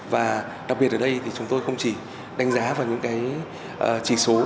và đặc biệt ở đây thì chúng tôi không chỉ đánh giá vào những cái chỉ số